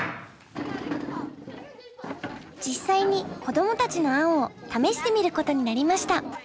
実際に子どもたちの案を試してみることになりました。